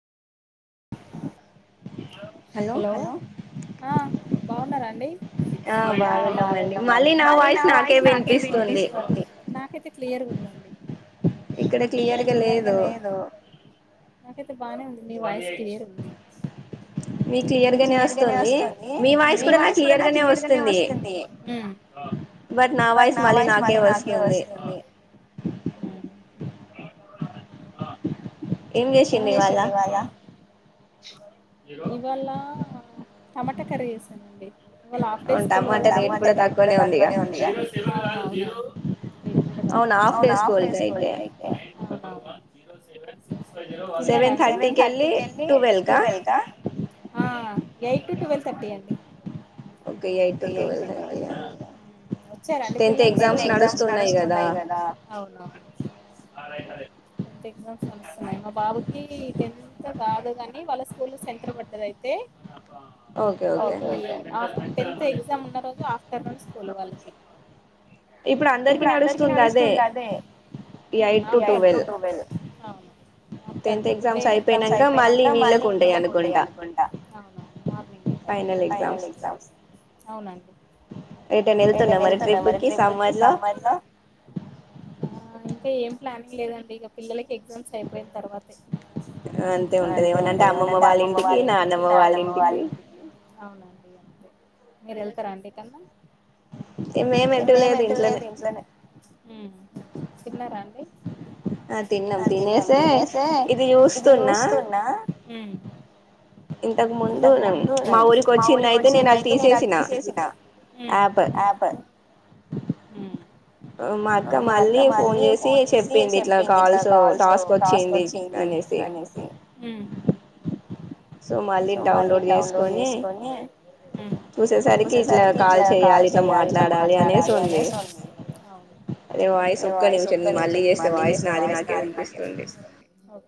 hello అ బాగున్నారా అండి ఆ బాగున్నాంమం మళ్ళీ నా వాయిస్ నాకే వినిపిస్తుంది నాకైతే క్లియర్ ఇక్కడ క్లియర్గ లేదూ నాకైతే బానే ఉంది నీ వాయిస్ క్లియర్గుంది [inaudible] మీ క్లియర్గనే ఒస్తుంది మీ వాయిస్ కూడా నాకు క్లియర్గానే ఒస్తుంది బట్ నా వాయిస్ మళ్ళీ నాకే వస్తుంది ఎం చేసిండు ఇయ్యాల ఇవళ్ళ టమట కర్రీ చేసానండి ఇయ్యాల హాఫ్ డే స్కూల్ కదండీ టమాటా రేట్ కూడా తక్కువనే ఉంది ఆ ఔను గా అవును హాఫ్ డేస్ల్ స్కూల్ ఐతే ఔన సెవెన్ థర్టీకెల్లి టువెల్క ఆ ఎయిట్ టు ట్వెల్వ్ థర్టీ అండి అయి ఒచ్చారు అండి పిల్లలు టెన్త్ ఎగ్జామ్స్ నడుస్తున్నాయి గదా ఔను టెన్త్ ఎగ్జామ్స్ నదుస్తునాయి మా బాబుకీ టెన్త్ కాదు గన్ ని వాళ్ళ స్కూల్ సెంటర్ పడ్డది ఐతే ఓక కే టెన్త్ ఎగ్జామ్ న్న రోజ్ జ్ ఆఫ్టర్నూన్ స్కూల్ వాళ్ళకి ఇప్పుడు అందర్కి నడుస్తుంది అదే eight to twelve tenth exams ఐపోయినం కా మళ్ళీ నీళ్ళకు ఉంటాయి అనుకుంట ఔనౌను మార్నింగ్ ఉంట ఫైనల్ ఎగ్జామ్స్ ఔనం ఏటా ఎళ్తున్నా మరి ట్రిప్కి సమ్మర్లో ఆ ఇంకా ఏం ప్లానింగ్ లేదండి ఇగ పిల్లలకి ఎగ్జామ్స్ ఐపోయిన తర్వాతె ఆంతే ఉంటది తే ఉంటది ఏమనంటె అమ్మమ్మ వాళ్ళ ఇంటికి నాన్నమ్మ వాళ్ళ ఇంటికి ఔనండి మీరెళ్తారా అండి ఏటన్నా మేమేటు లేదు ఇంట్లనే ఉమ్ తిన్నారా అండి ఆ తిన్నం తినేసే ఇది ఉస్తూన్నా ఇంతకు ముందు ర మా ఊరిక ఒచ్చింద ఐతే నేను అది తీశేశిన ఉమ్ యాప్ [inaudible] మా అక్క మళ్ళీ ఫోన్ చేసి చెప్పింది ఇట్ల కాల్స్ టాస్క్ ఒచ్చింది అనేసి అనేసి ఉమ్ సొ మళ్ళీ డౌన్లోడ్ చేస్కొని చూసేసరికి ఇట్లా కాల్ చేయాలి ఇట్ల మాట్లాడాలి అనేసి ఉంది అద వాయిస్ ఒక్క నిమ్షం మళ్ళీ చేస్తే వాయిస్ నాది నాకే వినిపిస్తుంది